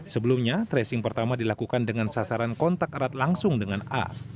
sebelumnya tracing pertama dilakukan dengan sasaran kontak erat langsung dengan a